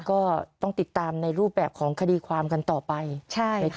ก็ต้องติดตามในรูปแบบของคดีความกันต่อไป